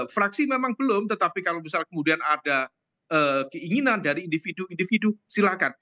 fraksi memang belum tetapi kalau misal kemudian ada keinginan dari individu individu silakan